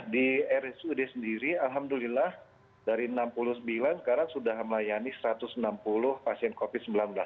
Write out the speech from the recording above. di rsud sendiri alhamdulillah dari enam puluh sembilan sekarang sudah melayani satu ratus enam puluh pasien covid sembilan belas